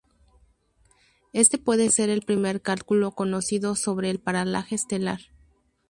Este puede ser el primer cálculo conocido sobre el paralaje estelar.